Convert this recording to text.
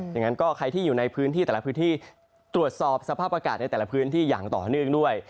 อย่างนั้นก็ใครที่อยู่ในพื้นที่แต่ละพื้นที่ตรวจสอบสภาพอากาศในแต่ละพื้นที่อย่างต่อเนื่องด้วย